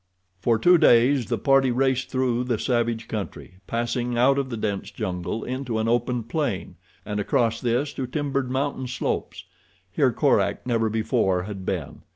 For two days the party raced through the savage country, passing out of the dense jungle into an open plain, and across this to timbered mountain slopes. Here Korak never before had been.